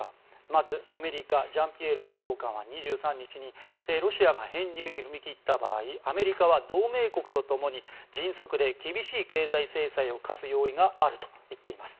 アメリカジャンピエール報道官は２３日にロシアが編入に踏み切った場合アメリカは同盟国と共に迅速で厳しい経済制裁を科す用意があるといっています。